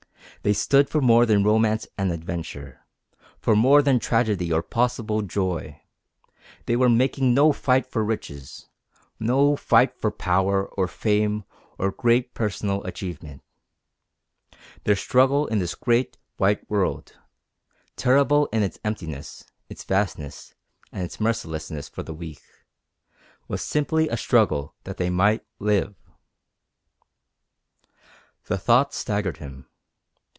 They stood for more than romance and adventure, for more than tragedy or possible joy; they were making no fight for riches no fight for power, or fame, or great personal achievement. Their struggle in this great, white world terrible in its emptiness, its vastness, and its mercilessness for the weak was simply a struggle that they might live. The thought staggered him.